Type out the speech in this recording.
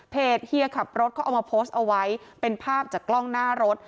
เฮียขับรถเขาเอามาโพสต์เอาไว้เป็นภาพจากกล้องหน้ารถ